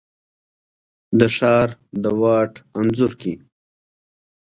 د ښار د واټ انځور کي،